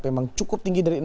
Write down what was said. memang cukup tinggi